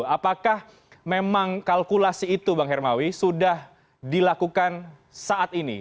apakah memang kalkulasi itu bang hermawi sudah dilakukan saat ini